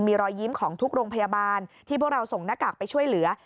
มีรอยยิ้มของทุกโรงพยาบาลที่พวกเราส่งหน้ากากไปช่วยเหลือ